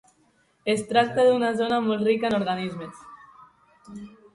Es tracta d'una zona molt rica en organismes.